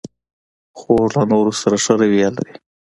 خور له نورو سره ښه رویه لري.